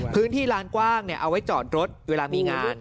พื้นที่ลานกว้างเอาไว้จอดรถเวลามีงาน